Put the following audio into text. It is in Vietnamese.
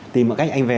tìm một cách anh về